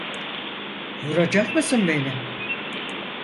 Vuracak mısın beni?